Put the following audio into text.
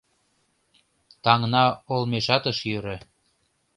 Таҥна олмешат ыш йӧрӧ.